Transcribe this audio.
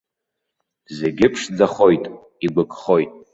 Зегьы ԥшӡахоит, игәыкхоит.